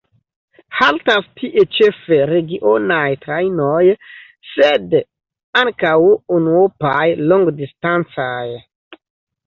Haltas tie ĉefe regionaj trajnoj, sed ankaŭ unuopaj longdistancaj.